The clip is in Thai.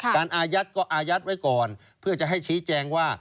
อายัดก็อายัดไว้ก่อนเพื่อจะให้ชี้แจงว่า